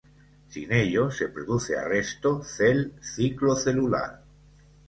Sin ello se produce arresto cel ciclo celular.